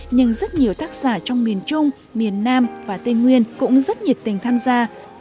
nhưng rất nhiều tác giả trong miền trung miền nam và tây nguyên cũng rất nhiệt tình tham gia